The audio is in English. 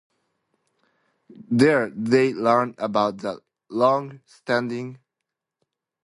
There they learn about the long-standing feud between the Blackstones and the Rands.